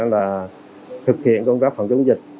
là thực hiện công tác phòng chống dịch